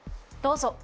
どうぞ。